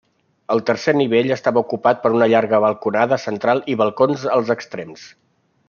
El tercer nivell estava ocupat per una llarga balconada central i balcons als extrems.